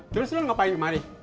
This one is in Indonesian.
terus lo ngapain kemari